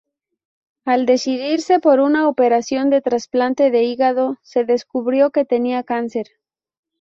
Al decidirse por una operación de trasplante de hígado se descubrió que tenía cáncer.